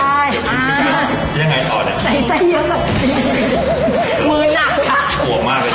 อ่ายังไงถอดใส่ใส่เยอะแบบจริงมือหนักค่ะหัวมากเลย